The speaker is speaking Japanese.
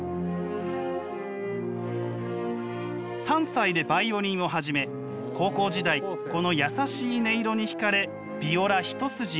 ３歳でバイオリンを始め高校時代この優しい音色に引かれヴィオラ一筋に。